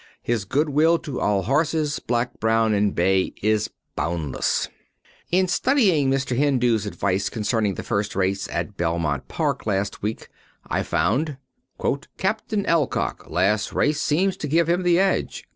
His good will to all horses, black, brown and bay, is boundless. In studying Mr. Hindoo's advice concerning the first race at Belmont Park last week, I found, "Captain Alcock Last race seems to give him the edge."